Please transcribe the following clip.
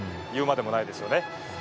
言うまでもないですよね。